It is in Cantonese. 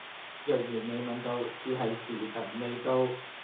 若然未問到，只係時晨未到